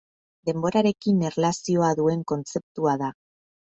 Denborarekin erlazioa duen kontzeptua da.